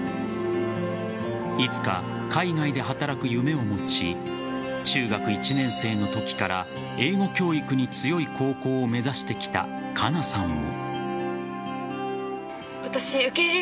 いつか海外で働く夢を持ち中学１年生のときから英語教育に強い高校を目指してきた佳奈さんも。